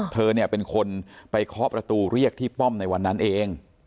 เธอเนี่ยเป็นคนไปเคาะประตูเรียกที่ป้อมในวันนั้นเอง